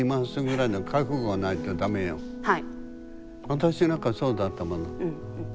私なんかそうだったもの。